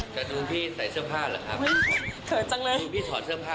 ก็ดูพี่ใส่เสื้อผ้าเหรอครับเกิดจังเลย